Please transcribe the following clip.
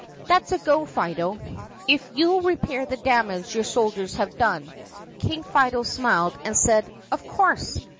"That 's a go, Fido, if you 'll repair the damage your sol diers have done." King Fido smiled and said, "Of course!"